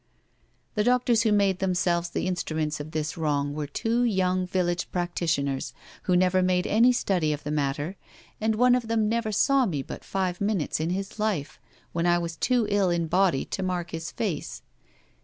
The doctors who made themselves the instruments of this wrong were two young village practitioners who never made any study of the matter, and one of them never saw me but five minutes in his life, when I was too ill in body to mark his face.